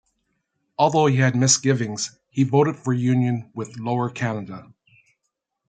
Although he had misgivings, he voted for union with Lower Canada.